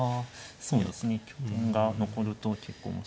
そうですね拠点が残ると結構面白いのかなと。